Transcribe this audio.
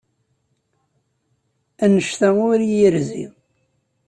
Anect-a ur iyi-yerzi.